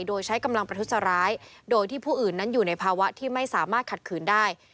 โดยใช้กำลังประทุษร้ายโดยที่ผู้อื่นนั้นอยู่ในภาวะที่ไม่สามารถขัดขืนได้